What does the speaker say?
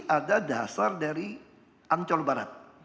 ada dasar dari ancol barat